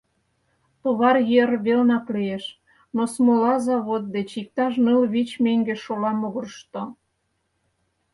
Товаръер велнак лиеш, но смола завод деч иктаж ныл-вич меҥге шола могырышто.